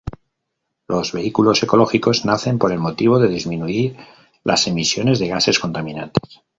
Los vehículos ecológicos nacen por el motivo de disminuir las emisiones de gases contaminantes.